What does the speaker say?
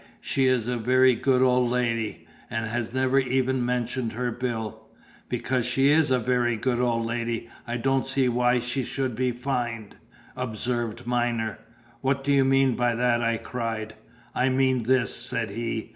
"She is a very good old lady, and has never even mentioned her bill." "Because she is a very good old lady, I don't see why she should be fined," observed Myner. "What do you mean by that?" I cried. "I mean this," said he.